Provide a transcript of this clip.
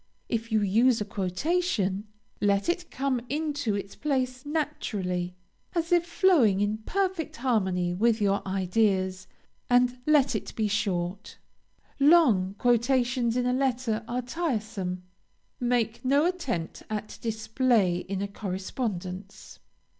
If you use a quotation, let it come into its place naturally, as if flowing in perfect harmony with your ideas, and let it be short. Long quotations in a letter are tiresome. Make no attempt at display in a correspondence.